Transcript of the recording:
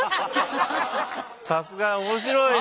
さすが面白いね。